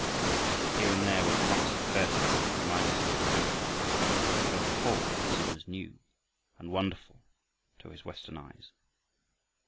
Here and there were clumps of fir trees that reminded him of Canada, but on the whole the scene was new and wonderful to his Western eyes.